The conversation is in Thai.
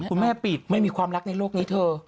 คุณแม่ปิดไม่มีความรักในโลกนี้เธอ